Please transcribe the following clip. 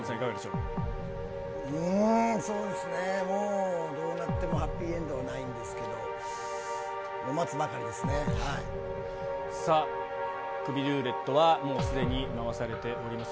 うーん、そうですね、もうどうなってもハッピーエンドはないんですけど、待つばかりでさあ、クビルーレットはもうすでに回されております。